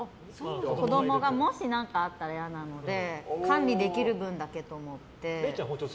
子供がもし何かあったら嫌なので管理できる分だけと思って。